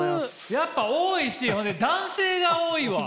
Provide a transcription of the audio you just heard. やっぱ多いしほんで男性が多いわ！